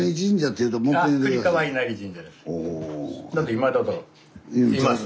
今だといます。